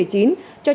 cho trẻ em